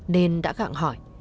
nên đã gặng hỏi